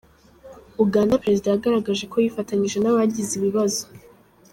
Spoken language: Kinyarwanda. Uganda Perezida yagaragaje ko yifatanyije n’abagize ibibazo